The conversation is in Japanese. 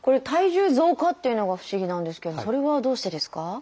「体重増加」というのが不思議なんですけどそれはどうしてですか？